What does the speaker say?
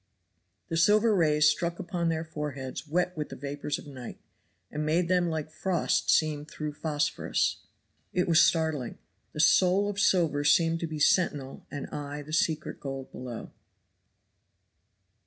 The silver rays struck upon their foreheads wet with the vapors of night, and made them like frost seen through phosphorus. It was startling. The soul of silver seemed to be sentinel and eye the secret gold below.